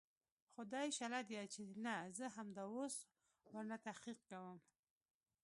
خو دى شله ديه چې نه زه همدا اوس ورنه تحقيق کوم.